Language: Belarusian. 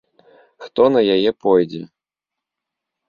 Хто на яе пойдзе?